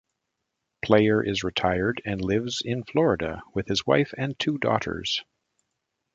Player is retired and lives in Florida with his wife and two daughters.